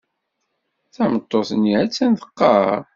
Tameṭṭut-nni attan teqqar.